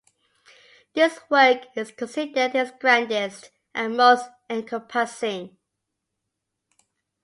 This work is considered his grandest and most encompassing.